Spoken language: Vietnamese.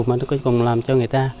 mà nó cuối cùng làm cho người ta